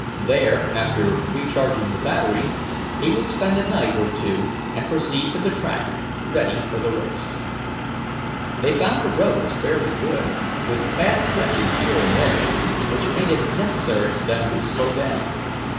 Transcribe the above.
There, after recharging the battery, he would spend a night, or two, and proceed to the track, ready for the race. They found the roads fairly good, with bad stretches here and there, which made it necessary for them to slow down.